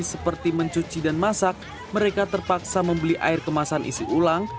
seperti mencuci dan masak mereka terpaksa membeli air kemasan isi ulang